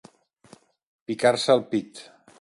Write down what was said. Picar-se el pit.